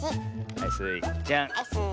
はいスイちゃん。